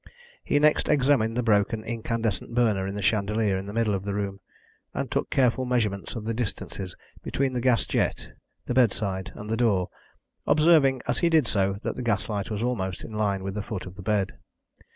He next examined the broken incandescent burner in the chandelier in the middle of the room, and took careful measurements of the distances between the gas jet, the bedside and the door, observing, as he did so, that the gaslight was almost in a line with the foot of the bed.